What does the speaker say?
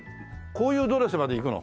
こういうドレスまでいくの？